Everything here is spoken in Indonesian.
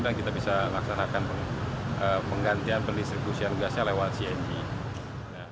dan kita bisa laksanakan penggantian pendistribusian gasnya lewat cng